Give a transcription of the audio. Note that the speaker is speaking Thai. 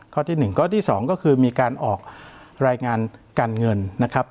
ที่๑ข้อที่๒ก็คือมีการออกรายงานการเงินนะครับ